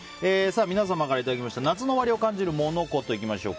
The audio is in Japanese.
皆様からいただきました夏の終わりを感じるモノ・コトいきましょう。